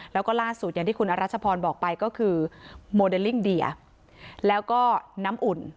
แล้วก็ล่าสุดอย่างที่คุณอรัชพรบอกไปก็คือโมเดลลิ่งเดียแล้วก็น้ำอุ่น